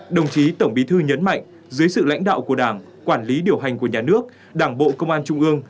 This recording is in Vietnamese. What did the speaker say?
đồng chí tổng bí thư nhấn mạnh dưới sự lãnh đạo của đảng quản lý điều hành của nhà nước đảng bộ công an trung ương